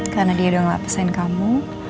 karena dia udah ngelepasin kamu